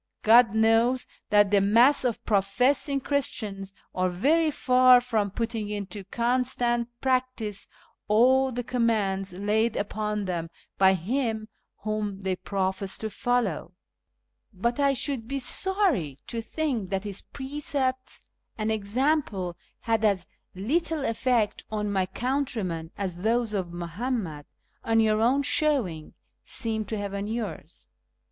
God knows that the mass of professing Christians are very far from putting into constant practice all the commands laid upon them by Him whom they profess to follow ; but I should be sorry to think that His precepts and example had as little effect on my countrymen as those of Muhammad, on your own showing, seem to have on yours."